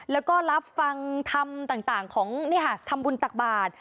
แล้วก็รับฟังธรรมต่างของนี่ฮะธรรมบุญตักบาท